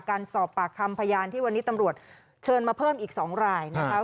การสอบปากคำพยานที่วันนี้ตำรวจเชิญมาเพิ่มอีก๒รายนะคะ